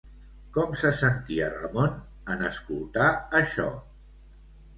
Com se sentia Ramon en escoltar això?